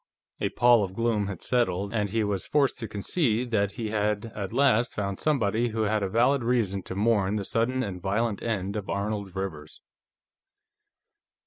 A pall of gloom had settled, and he was forced to concede that he had at last found somebody who had a valid reason to mourn the sudden and violent end of Arnold Rivers.